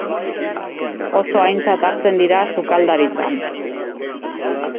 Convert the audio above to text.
Oso aintzat hartzen dira sukaldaritzan.